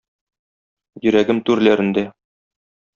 Йөрәгем түрләрендә.